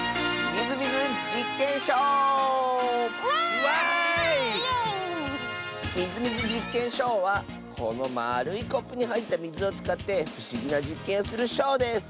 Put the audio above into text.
「みずみずじっけんショウ」はこのまあるいコップにはいったみずをつかってふしぎなじっけんをするショウです！